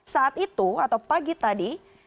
saat itu atau pagi tadi